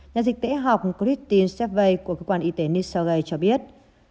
nhà dịch tễ học christine sevei của cơ quan y tế new south wales cho biết